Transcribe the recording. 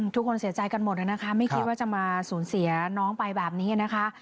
ทุกคนเสียใจกันหมดนะคะไม่คิดว่าจะมาสูญเสียน้องไปแบบนี้นะคะ